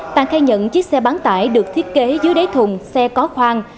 tàng khai nhận chiếc xe bán tải được thiết kế dưới đáy thùng xe có khoang